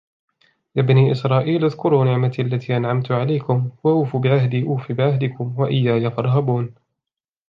يا بني إسرائيل اذكروا نعمتي التي أنعمت عليكم وأوفوا بعهدي أوف بعهدكم وإياي فارهبون